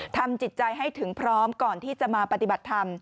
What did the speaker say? ทำจิตใจให้ถึงพร้อมก่อนที่จะมาปฏิบัติธรรม